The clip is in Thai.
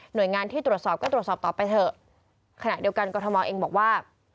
โดยงานที่ตรวจสอบก็ตรวจสอบต่อไปเถอะขณะเดียวกันกรทมเองบอกว่า